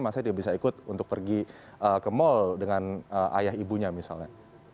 maksudnya dia bisa ikut untuk pergi ke mal dengan ayah ibunya misalnya